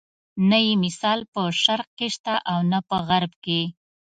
نه یې مثال په شرق کې شته او نه په غرب کې.